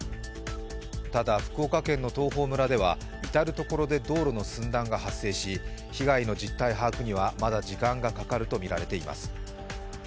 ただ、福岡県の東峰村では至る所で道路の寸断が発生し、被害の実態把握には、まだ時間がかかるとみられています。